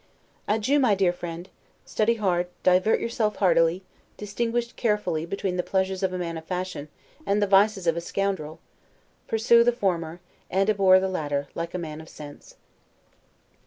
Adieu, my dear friend! Study hard; divert yourself heartily; distinguish carefully between the pleasures of a man of fashion, and the vices of a scoundrel; pursue the former, and abhor the latter, like a man of sense.